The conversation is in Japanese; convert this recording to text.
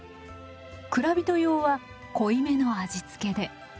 蔵人用は濃いめの味付けで。